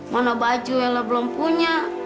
mana baju ella belum punya